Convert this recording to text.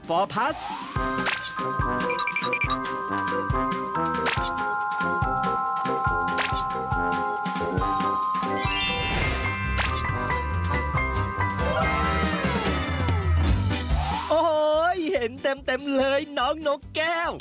โอ้โหเห็นเต็มเลยน้องนกแก้ว